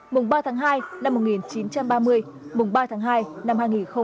mùng ba tháng hai năm một nghìn chín trăm ba mươi mùng ba tháng hai năm hai nghìn hai mươi